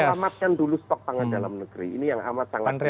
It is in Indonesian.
selamatkan dulu stok pangan dalam negeri ini yang amat sangat serius